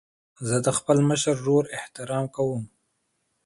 زه د خپل مشر ورور احترام کوم.